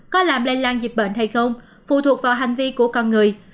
có làm lây lan dịch bệnh hay không phụ thuộc vào hành vi của con người